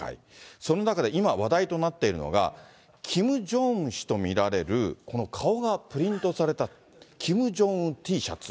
その中で今、話題となっているのが、キム・ジョンウン氏と見られる、この顔がプリントされたキム・ジョンウンＴシャツ。